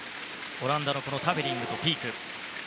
オランダのタベリングとピーク。